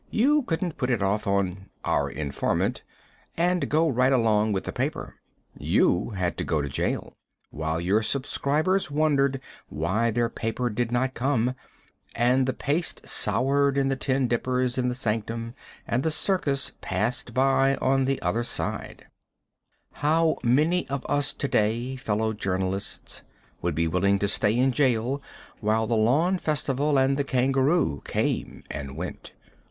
you couldn't put it off on "our informant" and go right along with the paper. You had to go to jail, while your subscribers wondered why their paper did not come, and the paste soured in the tin dippers in the sanctum, and the circus passed by on the other side. [Illustration: STOPPING HIS PAPER.] How many of us to day, fellow journalists, would be willing to stay in jail while the lawn festival and the kangaroo came and went?